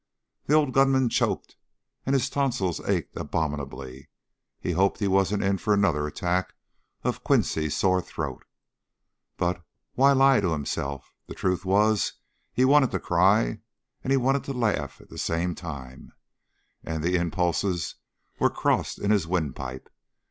The old gunman choked and his tonsils ached abominably. He hoped he wasn't in for another attack of quinsy sore throat. But why lie to himself? The truth was, he wanted to cry and he wanted to laugh at the same time, and the impulses were crossed in his windpipe.